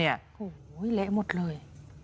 โอ้โหเละหมดเลย